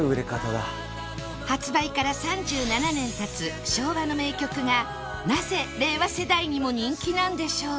発売から３７年経つ昭和の名曲がなぜ令和世代にも人気なんでしょう？